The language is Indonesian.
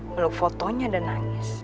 meluk fotonya dan nangis